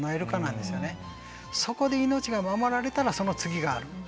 そこで命が守られたらその次がある。